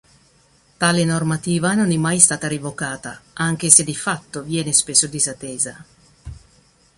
Tale normativa non è mai stata revocata, anche se di fatto viene spesso disattesa.